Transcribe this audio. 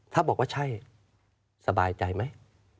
ถ้าบอกว่าใช่สบายใจไหม